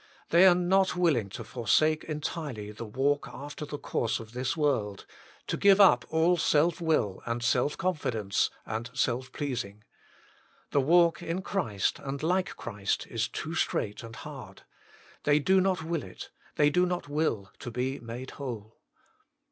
They are not willing to forsake entirely the walk after the course of this world, to give up all self will, and self confidence, and self pleasing. The walk in Christ and like Christ is too straight and hard : they do not will it, they do not will to be made whole.